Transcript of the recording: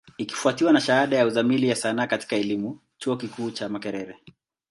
Ikifwatiwa na shahada ya Uzamili ya Sanaa katika elimu, chuo kikuu cha Makerere.